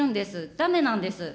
だめなんです。